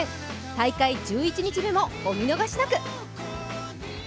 大会１１日目もお見逃しなく。